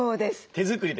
手作りです。